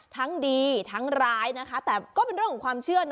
ทั้งดีทั้งร้ายนะคะแต่ก็เป็นเรื่องของความเชื่อนะ